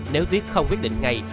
nếu tuyết không quyết định ngay